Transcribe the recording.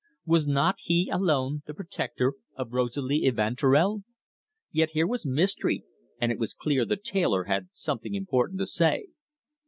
Was not he alone the protector of Rosalie Evanturel? Yet here was mystery, and it was clear the tailor had something important to say.